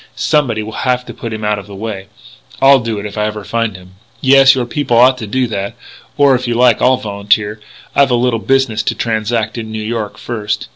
Somebody will have to put him out of the way. I'll do it if I ever find him." "Yes.... Your people ought to do that.... Or, if you like, I'll volunteer.... I've a little business to transact in New York, first....